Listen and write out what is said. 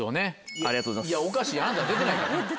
いやおかしいあんた出てないから。